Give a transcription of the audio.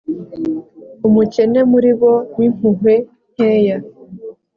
umukene muri bo w’impuhwe nkeya